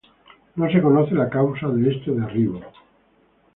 No se conoce la causa de este derribo.